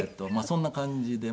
そんな感じで。